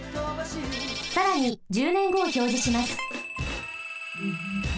さらに１０ねんごをひょうじします。